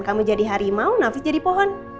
kamu jadi harimau nafis jadi pohon